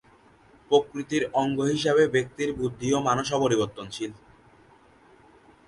প্রকৃতির অঙ্গ হিসেবে ব্যক্তির বুদ্ধি ও মানস অপরিবর্তনশীল।